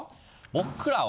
僕らは。